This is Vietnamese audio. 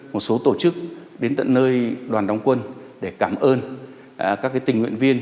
một số tổ chức đến tận nơi đoàn đóng quân để cảm ơn các tình nguyện viên